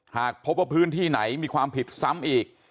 หากพบว่าพื้นที่ไหนมีความผิดซ้ำอีก